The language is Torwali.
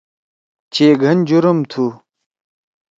چے گھن جُرم تُھو۔